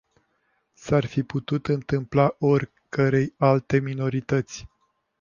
S-ar fi putut întâmpla oricărei alte minorități.